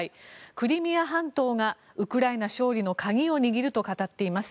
クリミア半島がウクライナ勝利の鍵を握ると語っています。